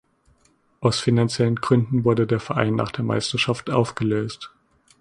Aus finanziellen Gründen wurde der Verein nach der Meisterschaft aufgelöst.